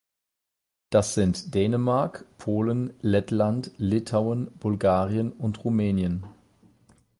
Das sind Dänemark, Polen, Lettland, Litauen, Bulgarien und Rumänien.